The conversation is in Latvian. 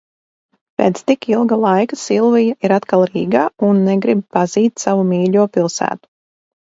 Pēc tik ilga laika Silvija ir atkal Rīgā, un negrib pazīt savu mīļo pilsētu.